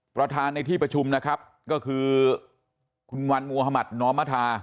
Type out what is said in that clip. ประธานในที่ประชุมนะครับก็คือคุณวันมุธมัธนอมธา